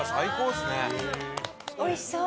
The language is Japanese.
おいしそう！